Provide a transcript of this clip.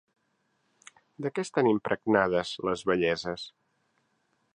De què estan impregnades les belleses?